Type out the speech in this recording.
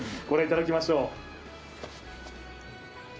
御覧いただきましょう。